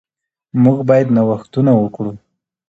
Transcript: موږ باید نوښتونه وکړو.